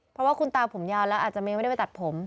เพราะว่าคุณตาผมยาวแล้วอาจจะไม่ได้ไปตัดผม